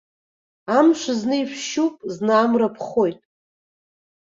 Амш зны ишәшьуп, зны амра ԥхоит.